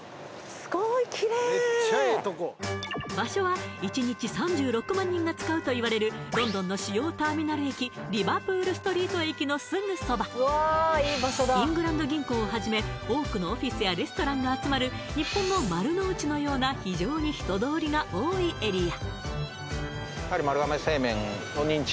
すごい綺麗場所は１日３６万人が使うといわれるロンドンの主要ターミナル駅イングランド銀行をはじめ多くのオフィスやレストランが集まる日本の丸の内のような非常に人通りが多いエリア